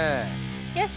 よし。